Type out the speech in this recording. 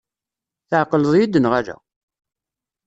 Tɛeqleḍ-iyi-d neɣ ala?